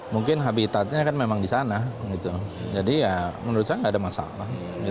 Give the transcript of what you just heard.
mungkin habitatnya kan memang di sana jadi ya menurut saya nggak ada masalah